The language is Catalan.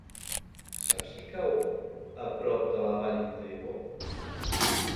Saps si cau a prop de la Vall d'Ebo?